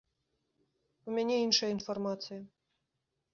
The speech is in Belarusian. У мяне іншая інфармацыя.